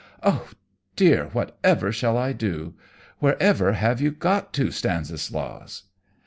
Oh dear! Whatever shall I do? Wherever have you got to, Stanislaus?"